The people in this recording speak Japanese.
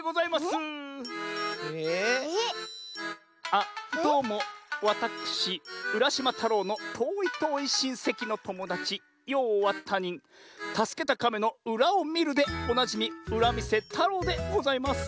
あっどうもわたくしうらしまたろうのとおいとおいしんせきのともだちようはたにんたすけたかめのうらをみるでおなじみうらみせたろうでございます。